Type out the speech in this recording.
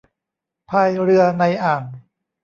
พายเรือในอ่าง